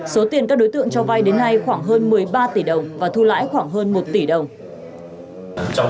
số tiền các đối tượng cho vai đến nay khoảng hơn một mươi ba tỷ đồng và thu lãi khoảng hơn một tỷ đồng